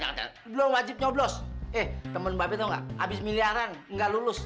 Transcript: jangan belum wajib nyoblos eh temen babi tahu nggak habis miliaran enggak lulus